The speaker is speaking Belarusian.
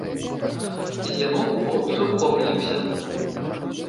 З яго пот цурком ліўся.